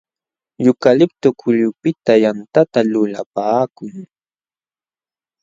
Yukaliptu kullupiqta yantata lulapaakun.